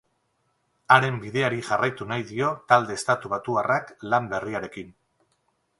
Haren bideari jarraitu nahi dio talde estatubatuarrak lan berriarekin.